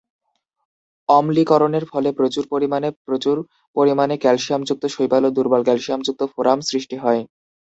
অম্লীকরণের ফলে প্রচুর পরিমাণে প্রচুর পরিমাণে ক্যালসিয়ামযুক্ত শৈবাল এবং দুর্বল ক্যালসিয়ামযুক্ত ফোরাম সৃষ্টি হয়।